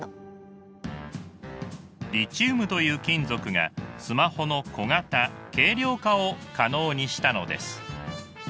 リチウムという金属がスマホの小型・軽量化を可能にしたのです。